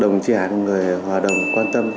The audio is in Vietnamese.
đồng chí hải hải là người hòa đồng quan tâm